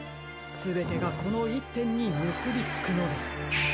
すべてがこの１てんにむすびつくのです。